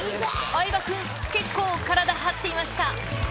相葉君結構体張っていました